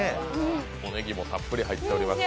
おねぎもたっぷり入っております。